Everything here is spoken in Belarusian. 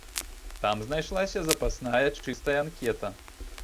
Там знайшлася запасная чыстая анкета.